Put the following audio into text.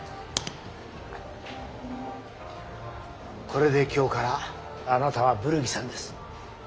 これで今日からあなたはブルギさんです。